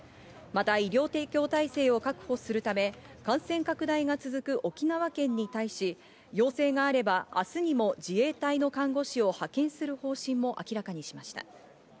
また医療提供体制を確保するため、感染拡大が続く沖縄県に対し、要請があれば明日にも自衛隊の看護師を派遣する方針も明らかにしました。